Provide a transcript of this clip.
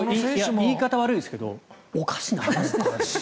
言い方悪いですけどおかしな話ですよ。